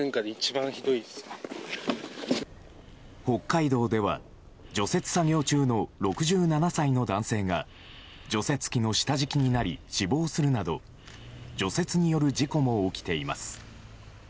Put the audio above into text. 北海道では除雪作業中の６７歳の男性が除雪機の下敷きになり死亡するなど除雪による事故も起きています。